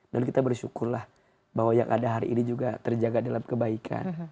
dan kita bersyukurlah bahwa yang ada hari ini juga terjaga dalam kebaikan